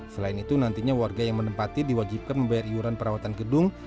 selain itu nantinya warga yang menempati diwajibkan membayar iuran perawatan gedung